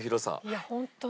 いやホントに。